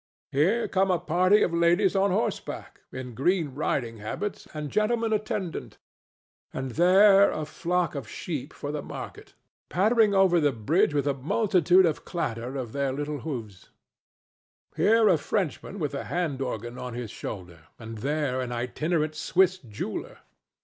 Here conic a party of ladies on horseback, in green ridings habits, and gentlemen attendant, and there a flock of sheep for the market, pattering over the bridge with a multitude nous clatter of their little hoofs; here a Frenchman with a hand organ on his shoulder, and there an itinerant Swiss jeweller.